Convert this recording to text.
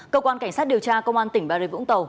cơ quan cảnh sát điều tra công an tỉnh bà rịa vũng tàu